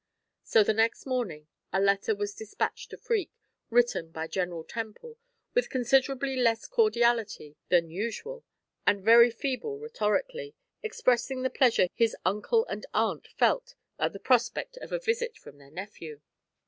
So the next morning a letter was dispatched to Freke, written by General Temple with considerably less cordiality than usual, and very feeble rhetorically, expressing the pleasure his uncle and aunt felt at the prospect of a visit from their nephew.